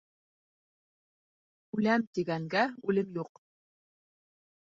«Үләм» тигәнгә үлем юҡ